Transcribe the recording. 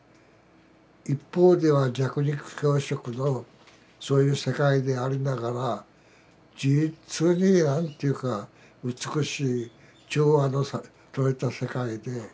一方では弱肉強食のそういう世界でありながら実に何ていうか美しい調和のとれた世界で。